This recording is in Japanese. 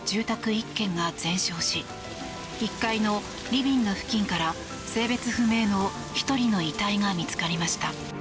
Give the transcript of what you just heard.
１軒が全焼し１階のリビング付近から性別不明の１人の遺体が見つかりました。